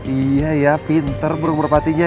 iya ya pinter burung berpatinya ya